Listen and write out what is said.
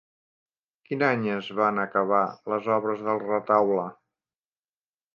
Quin any es van acabar les obres del retaule?